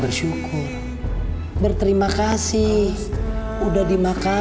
bersyukur berterima kasih udah dimakan